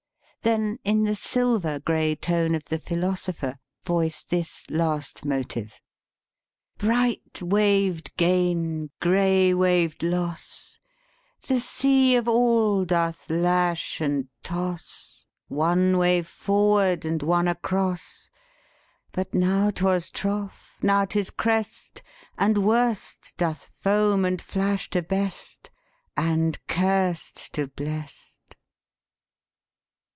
Then in the sil ver gray tone of the philosopher, voice this last motive: " Bright waved gain, gray waved loss, The sea of all doth lash and toss, One wave forward and one across: But now 'twas trough, now 'tis crest, And worst doth foam and flash to best, And curst to blest.